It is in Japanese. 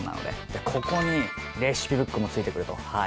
でここにレシピブックも付いてくると。